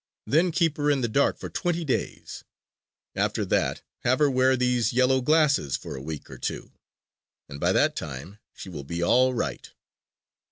Then keep her in the dark for twenty days. After that, have her wear these yellow glasses for a week or two; and by that time she will be all right."